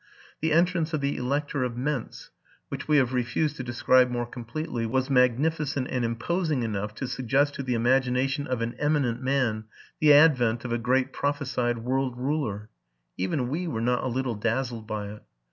The entrance of the Elector of Mentz, which we have re fused to describe more completely, was magnificent and im posing enough to suggest to the imagination of an eminent man the advent of a great prophesied world ruler: even we were not a little dazzled by it.